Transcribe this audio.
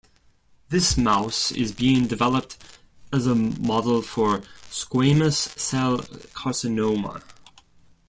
This mouse is being developed as a model for squamous cell carcinoma.